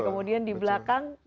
kemudian di belakang